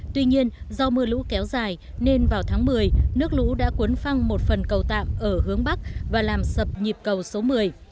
tuy nhiên do mưa lũ kéo dài nên vào tháng một mươi nước lũ đã cuốn phăng một phần cầu tạm ở hướng bắc và làm sập nhịp cầu số một mươi